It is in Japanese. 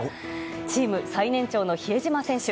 チーム最年長の比江島選手。